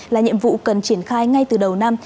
là nhiệm vụ cần triển khai ngay từ đầu năm